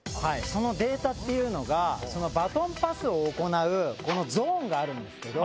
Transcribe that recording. そのデータっていうのがそのバトンパスを行うこのゾーンがあるんですけど。